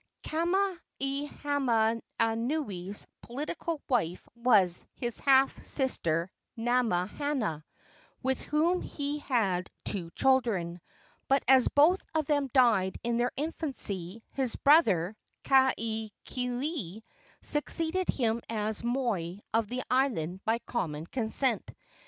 Kamehamehanui's political wife was his half sister Namahana, with whom he had two children; but as both of them died in their infancy, his brother, Kahekili, succeeded him as moi of the island by common consent.